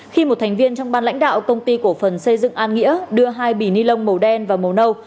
khi một thành viên trong ban lãnh đạo công ty cổ phần xây dựng an nghĩa đưa hai bị ni lông màu đen và màu nâu